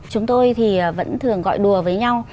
chúng tôi thì vẫn thường gọi đùa với nhau